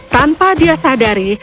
tanpa dia sadari